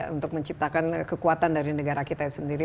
untuk menciptakan kekuatan dari negara kita sendiri